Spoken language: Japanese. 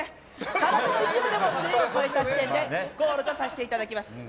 体の一部でも線を越えた時点でゴールとさせていただきます。